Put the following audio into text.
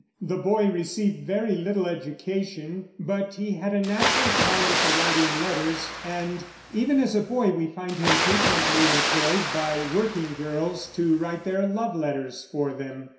The boy received very little education, but he had a natural talent for writing letters, and even as a boy we find him frequently employed by working girls to write their love letters for them.